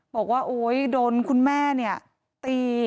บอกว่าโอ๊ยโดนคุณแม่เนี่ยตี